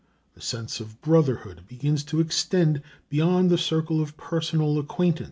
The sense of brotherhood begins to extend beyond the circle of personal acquaintance.